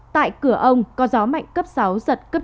tại cửa ông có gió mạnh cấp sáu giật cấp chín